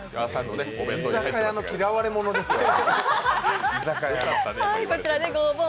居酒屋の嫌われ者ですよ。